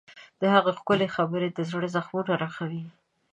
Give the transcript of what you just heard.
د هغې ښکلي خبرې د زړه زخمونه رغوي.